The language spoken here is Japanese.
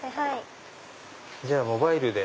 じゃあモバイルで。